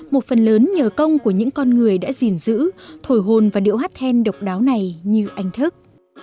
một phần lớn nhờ công của những con người đã gìn giữ thổi hồn và điệu hát then độc đáo này như anh thức